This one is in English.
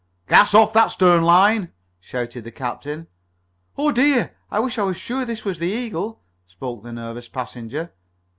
"Cast off that stern line!" shouted the captain. "Oh, dear! I wish I was sure this was the Eagle!" spoke the nervous passenger.